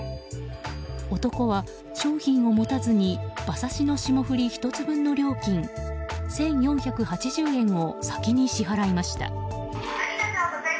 男は商品を持たずに馬刺しの霜降り１つ分の料金１４８０円を先に支払いました。